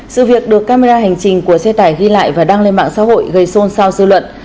sự việc được camera hành trình của xe tải ghi lại và đăng lên mạng xã hội gây xôn xao dư luận